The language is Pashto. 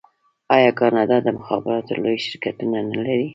آیا کاناډا د مخابراتو لوی شرکتونه نلري؟